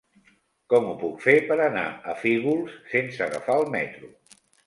Com ho puc fer per anar a Fígols sense agafar el metro?